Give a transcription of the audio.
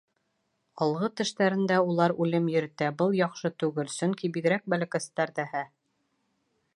Алғы тештәрендә улар үлем йөрөтә, был яҡшы түгел, сөнки бигерәк бәләкәстәр ҙәһә.